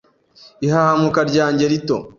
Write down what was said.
ihahamuka ryanjye rito